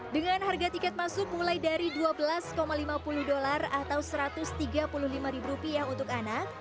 dengan harga tiket masuk mulai dari dua belas lima puluh dolar atau satu ratus tiga puluh lima ribu rupiah untuk anak